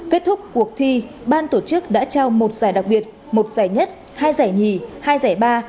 kết thúc cuộc thi ban tổ chức đã trao một giải đặc biệt một giải nhất hai giải nhì hai giải ba